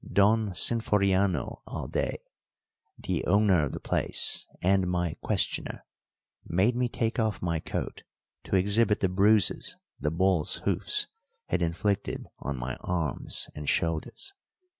Don Sinforiano Alday the owner of the place, and my questioner made me take off my coat to exhibit the bruises the bull's hoofs had inflicted on my arms and shoulders.